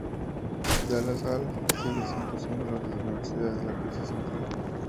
Dallas Hall sigue siendo símbolo de la universidad y la pieza central.